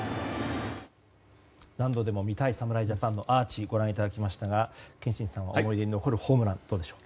何度でも見たい侍ジャパンのアーチご覧いただきましたが憲伸さん、思い出に残るホームラン、どうでしょう？